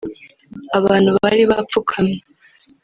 abantu bari bapfukamye